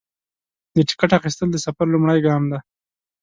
د ټکټ اخیستل د سفر لومړی ګام دی.